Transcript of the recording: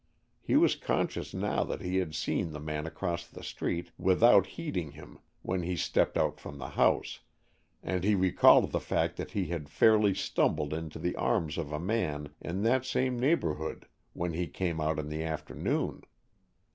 He was conscious now that he had seen the man across the street without heeding him when he stepped out from the house, and he recalled the fact that he had fairly stumbled into the arms of a man in that same neighborhood when he came out in the afternoon.